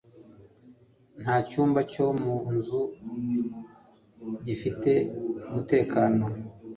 nta cyumba cyo mu nzu gifite umutekano